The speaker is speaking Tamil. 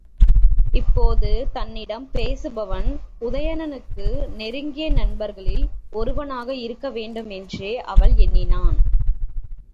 இப்போது தன்னிடம் பேசுபவன் உதயணனுக்கு நெருங்கிய நண்பர்களில் ஒருவனாக இருக்க வேண்டுமென்றே அவள் எண்ணினாள்.